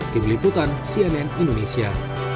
tim liputan cnn indonesia